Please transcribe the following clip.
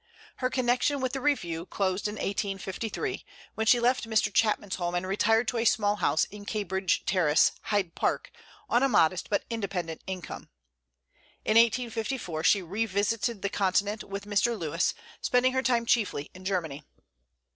Her connection with the "Review" closed in 1853, when she left Mr. Chapman's home and retired to a small house in Cambridge Terrace, Hyde Park, on a modest but independent income. In 1854 she revisited the Continent with Mr. Lewes, spending her time chiefly in Germany.